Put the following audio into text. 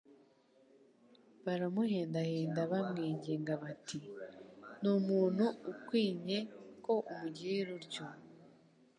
Baramuhendahenda bamwinginga bati : «Ni umuntu ukwinye ko umugirira utyo